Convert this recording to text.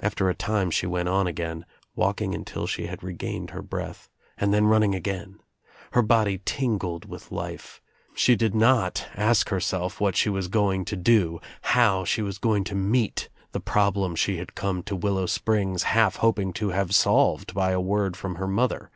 After a time she went on again, walking until she had regained her breath and then running again. Her body tingled with life. She did not ask herself what she was going to do, how she was to meet the problem she had come to Willow Springs half hoping to have Bolved by a word from her mother.